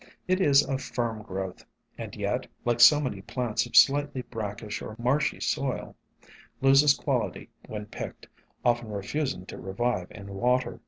It is of firm growth, and yet, like so many plants of slightly brackish or marshy soil, loses quality when picked, often refusing to revive in water.